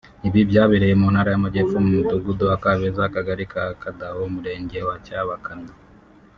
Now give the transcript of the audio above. Ibi byabereye mu Ntara y’Amajyepfo mu mudugudu wa Kabeza Akagari ka Kadaho Umurenge wa Cyabakamyi